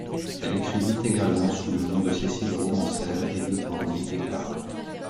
Elle écrivit également sous le nom de Cécile Romancère, Édith Orny et Clara.